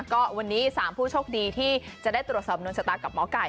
ก็วันนี้๓ผู้โชคดีที่จะได้ตรวจสอบนวลชะตากับหมอไก่